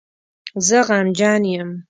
زه غمجن یم